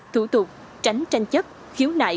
thủ tục tránh tranh chấp khiếu nại